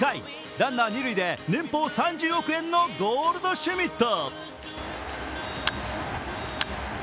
ランナー二塁で年俸３０億円のゴールドシュミット。